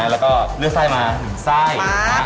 แล้วก็เลือกไส้มา๑ไส้